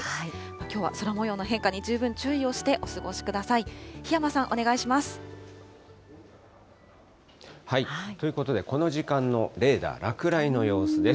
きょうは空もようの変化に十分注意をしてお過ごしください。ということで、この時間のレーダー、落雷の様子です。